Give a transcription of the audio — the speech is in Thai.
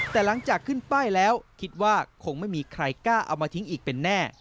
แต่หลังจากขึ้นป้ายแล้วคิดว่าคงไม่มีใครกล้าเอามาทิ้งอีกเป็นแน่